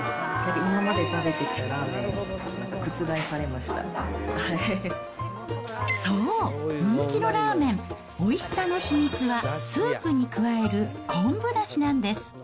今まで食べてきたラーメンが覆さそう、人気のラーメン、おいしさの秘密はスープに加える昆布だしなんです。